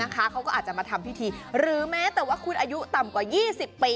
เขาก็อาจจะมาทำพิธีหรือแม้แต่ว่าคุณอายุต่ำกว่า๒๐ปี